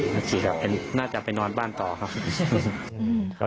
เมื่อกี้พี่เป็นน่าจะไปนอนบ้านต่อครับ